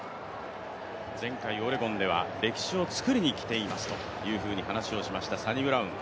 前回、オレゴンでは歴史を作りにきていますと話していましたサニブラウン。